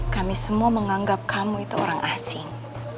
kami semua menganggap kamu itu orang asing